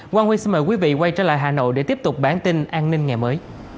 quang huy xin mời quý vị quay trở lại hà nội để tiếp tục bản tin an ninh ngày mới